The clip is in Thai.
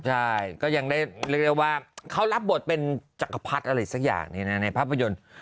ใช่ก็ยังได้เรียกได้ว่าเขารับบทเป็นจักรพรรดิอะไรสักอย่างนี้นะในภาพยนตร์